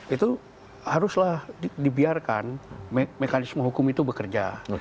itu haruslah dibiarkan mekanisme hukum itu bekerja